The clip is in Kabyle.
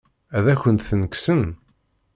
Ad akent-ten-kksen?